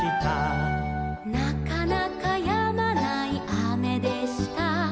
「なかなかやまないあめでした」